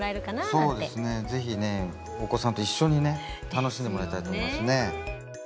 そうですね是非ねお子さんと一緒にね楽しんでもらいたいと思いますね。